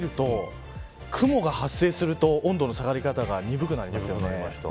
ただ、これ見ると雲が発生すると温度の下がり方が鈍くなりますよね。